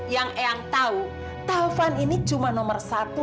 yang eyang tahu taufan ini cuma nomor satu